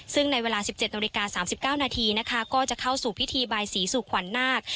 ซึ่งในเวลา๑๗นาฬิกา๓๙นาทีนะคะก็จะเข้าสู่พิธีบายศรีสู่ขวัญนาค